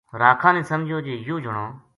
راکھاں نے سمجھیو جے یوہ جنو